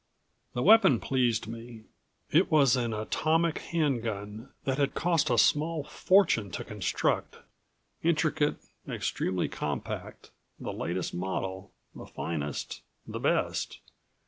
The weapon pleased me. It was an atomic hand gun that had cost a small fortune to construct intricate, extremely compact, the latest model, the finest, the best.